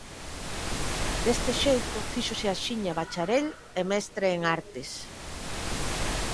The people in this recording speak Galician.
Deste xeito fíxose axiña bacharel e mestre en artes.